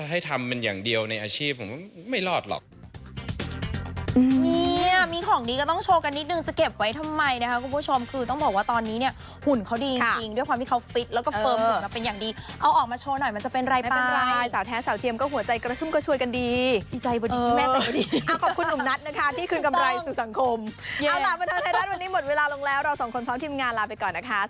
ให้ทำเป็นอย่างเดียวในอาชีพผมไม่รอดหรอก